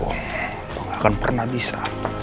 lo gak akan pernah bisa